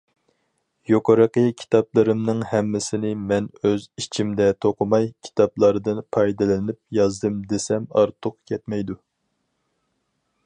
يۇقىرىقى كىتابلىرىمنىڭ ھەممىسىنى مەن ئۆز ئىچىمدە توقۇماي، كىتابلاردىن پايدىلىنىپ يازدىم دېسەم ئارتۇق كەتمەيدۇ.